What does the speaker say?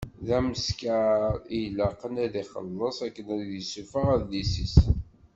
D ameskar i ilaqen ad ixelleṣ akken ad d-yessufeɣ adlis-is.